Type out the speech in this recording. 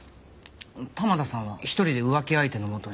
玉田さんは一人で浮気相手の元に？